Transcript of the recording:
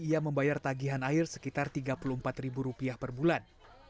ia membayar tagihan air sekitar rp tiga puluh empat per bulan